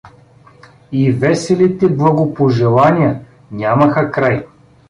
И веселите благопожелания нямаха край.